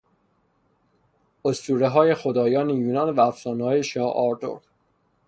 اسطورههای خدایان یونان و افسانههای شاه آرتور